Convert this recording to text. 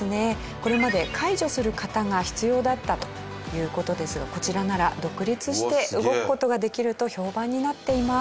これまで介助する方が必要だったという事ですがこちらなら独立して動く事ができると評判になっています。